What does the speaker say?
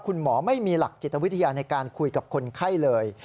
คุณหมอไม่มีหลักจิตวิทยาในการคุยกับคนไข้เลย